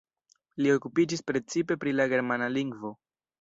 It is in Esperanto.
Li okupiĝis precipe pri la germana lingvo.